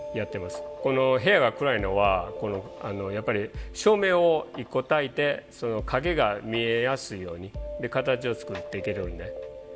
この部屋が暗いのはやっぱり照明を１個たいてその影が見えやすいように形を作っていけるんで。